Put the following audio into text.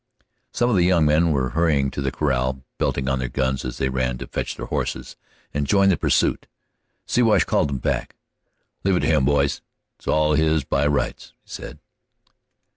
Some of the young men were hurrying to the corral, belting on their guns as they ran to fetch their horses and join the pursuit. Siwash called them back. "Leave it to him, boys; it's his by rights," he said.